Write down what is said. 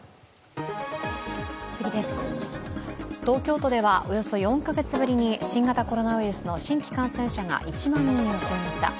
東京都ではおよそ４カ月ぶりに新型コロナウイルスの新規感染者が１万人を超えました。